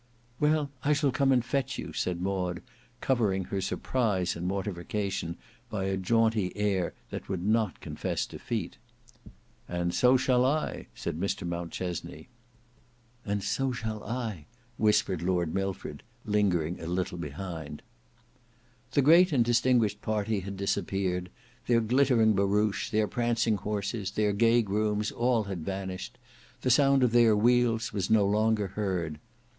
"Well I shall come and fetch you," said Maud, covering her surprise and mortification by a jaunty air that would not confess defeat. "And so shall I," said Mr Mountchesney. "And so shall I," whispered Lord Milford lingering a little behind. The great and distinguished party had disappeared; their glittering barouche, their prancing horses, their gay grooms, all had vanished; the sound of their wheels was no longer heard.